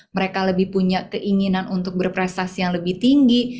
mereka lebih punya keinginan untuk berprestasi yang lebih tinggi